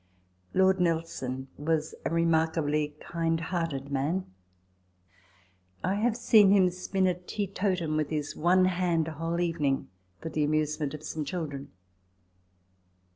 Lord Nelson was a remarkably kind hearted man. I have seen him spin a teetotum with his one hand, a whole evening, for the amusement of some children.